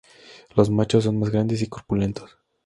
Los machos son más grandes y corpulentos.